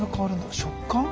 食感？